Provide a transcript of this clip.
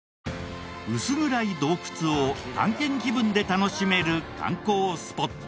薄暗い洞窟を探検気分で楽しめる観光スポット。